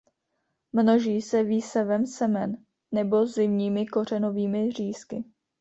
Množí se výsevem semen nebo zimními kořenovými řízky.